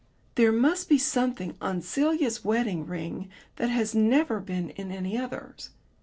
There must be something on Celia's wedding ring that had never been in any other's....